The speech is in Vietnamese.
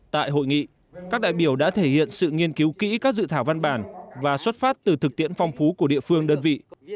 tại hội nghị các đại biểu đã thể hiện sự nghiên cứu kỹ các dự thảo văn bản và xuất phát từ thực tiễn phong phú của địa phương đơn vị